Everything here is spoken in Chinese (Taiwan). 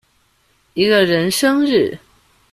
一個人生日